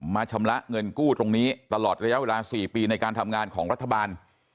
ชำระเงินกู้ตรงนี้ตลอดระยะเวลา๔ปีในการทำงานของรัฐบาล